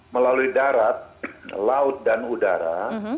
melalui darat laut dan udara